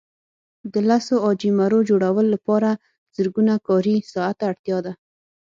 د لسو عاجي مرو جوړولو لپاره زرګونه کاري ساعته اړتیا ده.